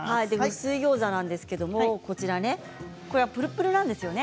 水ギョーザですがぷるぷるなんですよね。